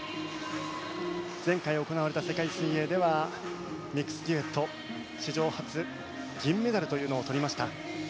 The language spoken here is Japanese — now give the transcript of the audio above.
前回行われた世界水泳ではミックスデュエット史上初銀メダルというのを取りました。